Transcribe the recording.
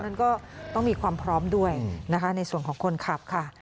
นั้นก็ต้องมีความพร้อมด้วยนะคะในส่วนของคนขับค่ะ